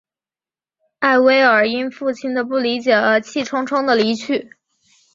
艾薇尔因父亲的不理解而气冲冲地离去。